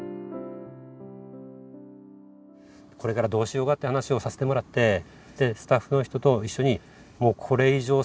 これからどうしようかって話をさせてもらってでスタッフの人と一緒にもうこれ以上下がることはないって。